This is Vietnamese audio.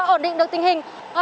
ổn định được tình hình